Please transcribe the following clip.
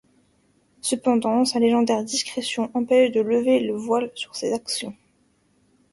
Cependant, sa légendaire discrétion empêche de lever le voile sur ces actions.